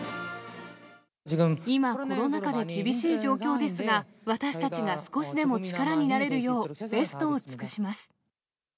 今、コロナ禍で厳しい状況ですが、私たちが少しでも力になれるよう、ベストを尽くします。